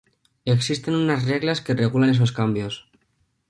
Existen unas reglas que regulan esos cambios.